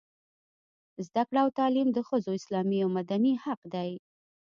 زده کړه او تعلیم د ښځو اسلامي او مدني حق دی.